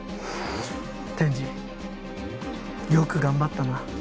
天智よく頑張ったな。